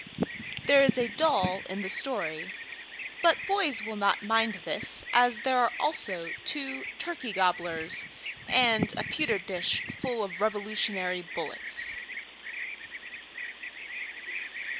There is a doll in the story, but boys will not mind this as there are also two turkey gobblers and a pewter dish full of Revolutionary bullets.